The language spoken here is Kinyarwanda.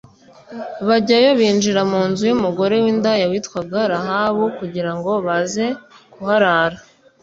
bajyayo binjira mu nzu y’umugore w’indaya witwaga rahabu, kugira ngo baze kuharara.